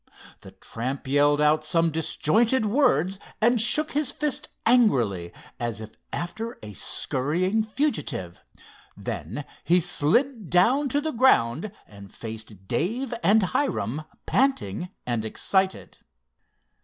The tramp yelled out some disjointed words, and shook his fist angrily, as if after a scurrying fugitive. Then he slid down to the ground and faced Dave and Hiram, panting and excited.